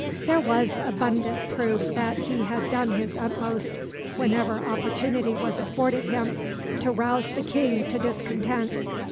There was abundant proof that he had done his utmost, whenever opportunity was afforded him, to rouse the King to discontent.